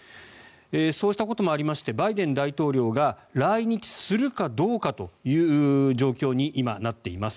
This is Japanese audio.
そうしたこともありましてバイデン大統領が来日するかどうかという状況に今、なっています。